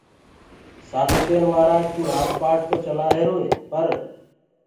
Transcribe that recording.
سآڌوٚ ڪين مهآرآج تو رآج پآٽ تو چلآهيروئي پر